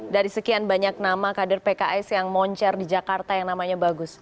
dari sekian banyak nama kader pks yang moncer di jakarta yang namanya bagus